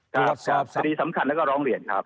คดีสำคัญแล้วก็ร้องเรียนครับ